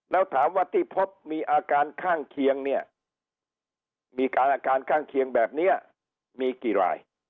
แล้วถามวัตติพบมีอาการข้างเคียงแบบนี้มีกี่ราย